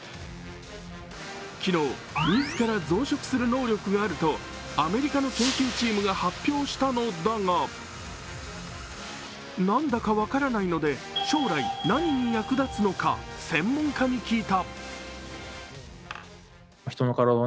昨日、自ら増殖する能力があると、アメリカの研究チームが発表したのだが何だか分からないので将来、何に役立つのか専門家に聞いた。